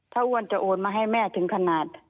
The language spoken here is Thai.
ถ้าอ้วนจะโอนมาให้แม่ถึงขนาด